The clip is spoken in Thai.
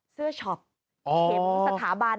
เสื้อช็อปเข็มสถาบัน